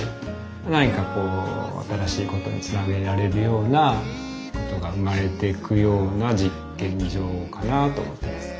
何かこう新しいことにつなげられるようなことが生まれていくような実験場かなと思ってます。